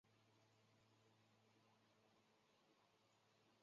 同时这也标志着两位大作曲家终身友谊的开始。